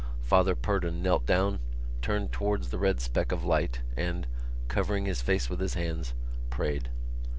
Father Purdon knelt down, turned towards the red speck of light and, covering his face with his hands, prayed.